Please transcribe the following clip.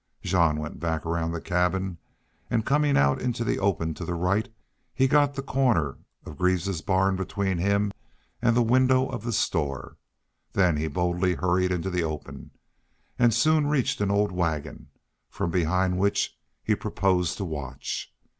Jean went back around the cabin and, coming out into the open to the right, he got the corner of Greaves's barn between him and the window of the store. Then he boldly hurried into the open, and soon reached an old wagon, from behind which he proposed to watch.